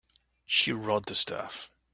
She wrote the stuff.